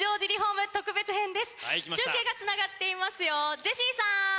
中継がつながっていますよジェシーさん。